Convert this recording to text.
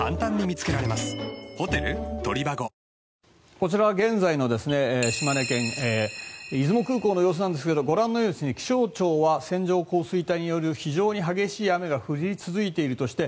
こちらは現在の島根県の出雲空港の様子なんですがご覧のように気象庁は、線状降水帯による非常に激しい雨が降り続いているとして